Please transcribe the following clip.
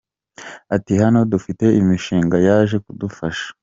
Ati “Hano dufite imishinga yaje kudufasha.